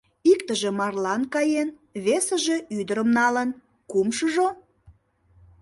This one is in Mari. Иктыже марлан каен, весыже ӱдырым налын, кумшыжо...